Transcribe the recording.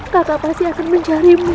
kata pasti akan menjarimu